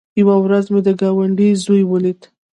يوه ورځ مې د گاونډي زوى وليد.